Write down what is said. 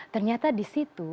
ternyata di situ